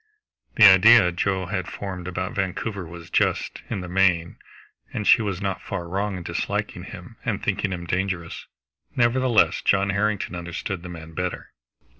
The idea Joe had formed about Vancouver was just, in the main, and she was not far wrong in disliking him and thinking him dangerous. Nevertheless John Harrington understood the man better.